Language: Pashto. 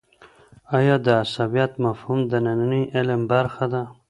آیا د عصبيت مفهوم د ننني علم برخه ده؟